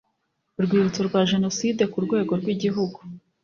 Urwibutso rwa jenoside ku rwego rw igihugu